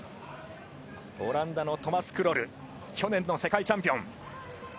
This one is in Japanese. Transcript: オランダのトマス・クロル去年の世界チャンピオン。